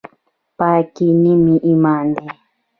پاکي نیم ایمان دی